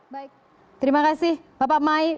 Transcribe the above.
baik terima kasih bapak mai